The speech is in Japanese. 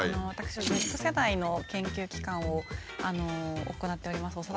私Ｚ世代の研究機関を行っております